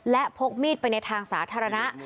และพกมีดไปในทางสาธารณะ